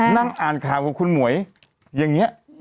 นั่งอ่านข่าวกับคุณหมวยอย่างนี้